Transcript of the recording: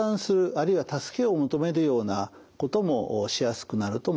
あるいは助けを求めるようなこともしやすくなると思います。